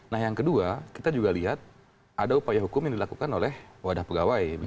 nah yang kedua kita juga lihat ada upaya hukum yang dilakukan oleh wadah pegawai